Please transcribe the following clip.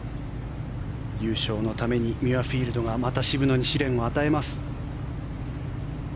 優勝のためにミュアフィールドがまた渋野に試練を与えます。